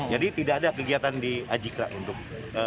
jadi tidak ada kegiatan di azikra untuk dua ratus dua belas